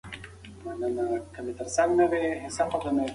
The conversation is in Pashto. ملایکې به د مسواک وهونکي د نیکیو شاهدانې وي.